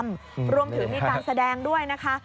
รวมถึงมีการแสดงด้วยนะคะ